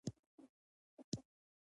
ژړا تسلی ده.